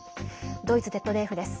ドイツＺＤＦです。